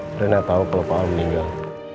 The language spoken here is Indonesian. norena tahu kalau pak al meninggal